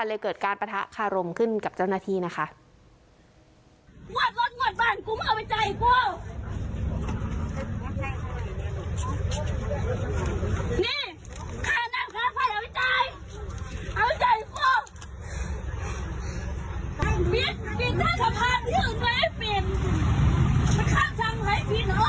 เลยเกิดการประทะคารมขึ้นกับเจ้าหน้าที่นะคะงวดรถงวดบันกุมเอาไว้ใจไอ้กลัว